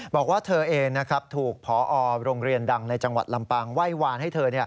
บอกว่าเธอเองถูกพอโรงเรียนดังในจังหวัดลำปางไหว้วานให้เธอ